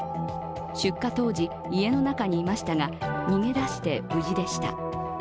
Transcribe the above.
出火当時、家の中にいましたが逃げ出して無事でした。